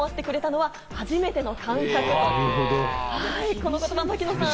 この言葉、槙野さん